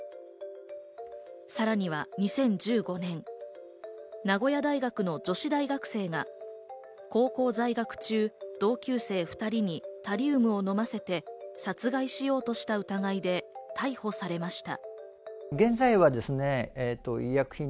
さらには２０１５年、名古屋大学の女子大学生が高校在学中、同級生２人にタリウムを飲ませて殺害しようとした疑いで逮捕されました。